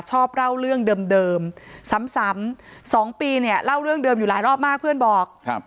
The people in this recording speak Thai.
ชอบเล่าเรื่องเดิมซ้ำ๒ปีเนี่ยเล่าเรื่องเดิมอยู่หลายรอบมากเพื่อนบอก